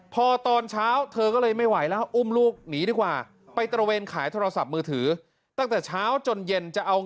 พอตอนเช้า